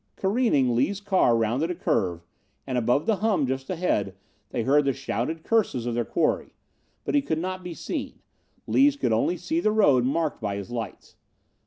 Careening, Lees' car rounded a curve, and, above the hum just ahead, they heard the shouted curses of their quarry. But he could not be seen. Lees could only see the road marked by his lights.